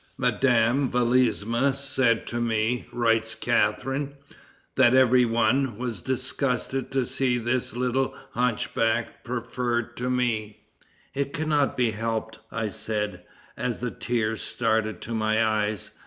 "Madame Vladisma said to me," writes Catharine, "that every one was disgusted to see this little hunchback preferred to me. 'It can not be helped,' I said, as the tears started to my eyes.